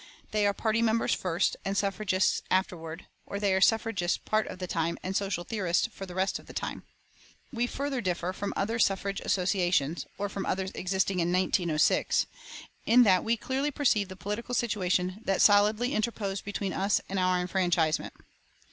They are party members first and suffragists afterward; or they are suffragists part of the time and social theorists the rest of the time. We further differ from other suffrage associations, or from others existing in 1906, in that we clearly perceived the political situation that solidly interposed between us and our enfranchisement.